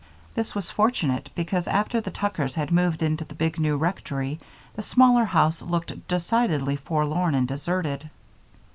This was fortunate, because, after the Tuckers had moved into the big new rectory, the smaller house looked decidedly forlorn and deserted.